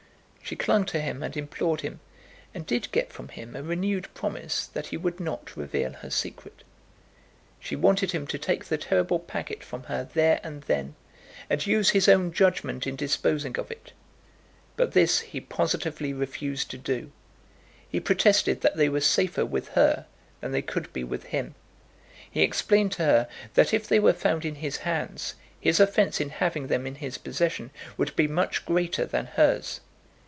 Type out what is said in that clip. She clung to him and implored him, and did get from him a renewed promise that he would not reveal her secret. She wanted him to take the terrible packet from her there and then, and use his own judgment in disposing of it. But this he positively refused to do. He protested that they were safer with her than they could be with him. He explained to her that if they were found in his hands, his offence in having them in his possession would be much greater than hers.